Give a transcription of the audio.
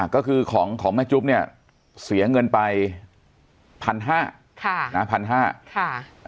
ก็คือของของแม่จุ๊บเนี่ยเสียเงินไป๑๕๐๐ค่ะนะพันห้าค่ะ